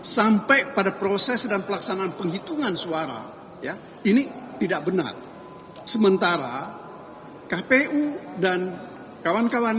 sampai pada proses dan pelaksanaan penghitungan suara ya ini tidak benar sementara kpu dan kawan kawan